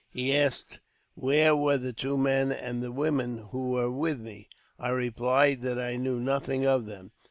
He asked where were the two men and the woman who were with me. I replied that I knew nothing of them.